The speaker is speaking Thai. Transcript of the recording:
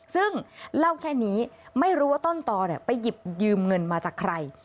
ซึ่งเล่าแค่นี้ไม่รู้ว่าต้นตอไปหยิบยืมเงินมาจากใคร